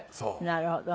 なるほど。